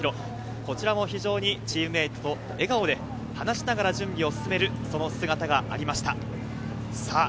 こちらも非常にチームメートと笑顔で話しながら準備を進める、その姿がありました。